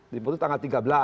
diputus tanggal tiga belas